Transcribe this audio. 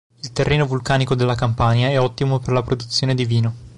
Il terreno vulcanico della Campania è ottimo per la produzione di vino.